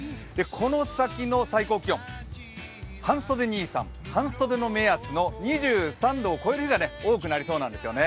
この先の最高気温、半袖兄さん、半袖の目安の２３度を超える日が多くなりそうなんですね。